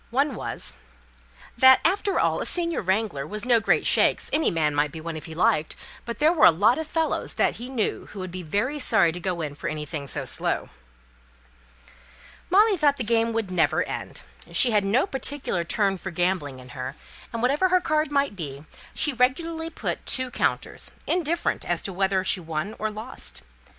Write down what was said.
One was "That, after all, a senior wrangler was no great shakes. Any man might be one if he liked, but there were a lot of fellows that he knew who would be very sorry to go in for anything so slow." Molly thought the game never would end. She had no particular turn for gambling in her; and whatever her card might be, she regularly put on two counters, indifferent as to whether she won or lost.